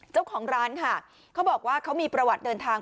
เจ้าของร้านค่ะเขาบอกว่าเขามีประวัติเดินทาง